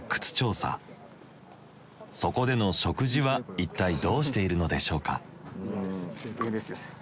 そこでの食事は一体どうしているのでしょうか？